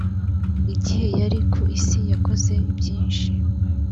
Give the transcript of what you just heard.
igihe yari ku isi yakoze byinshi